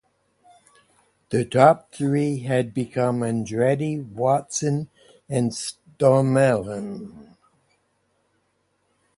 The top three had become Andretti, Watson, and Stommelen.